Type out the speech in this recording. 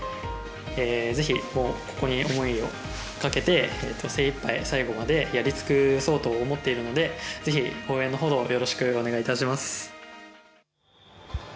ぜひ、ここに思いをかけて精いっぱい最後までやりつくそうと思っているのでぜひ応援のほどよろしくお願いいたします。